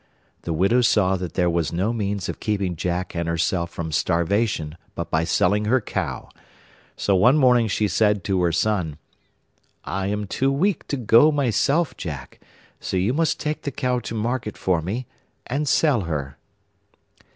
The widow saw that there was no means of keeping Jack and herself from starvation but by selling her cow; so one morning she said to her son, 'I am too weak to go myself, Jack, so you must take the cow to market for me, and sell her.